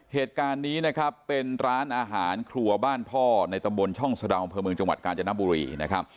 เหตุการณ์นี้นะครับเป็นร้านอาหารครัวบ้านพ่อในตำบลช่องสะดาวอำเภอเมืองจังหวัดกาญจนบุรีนะครับ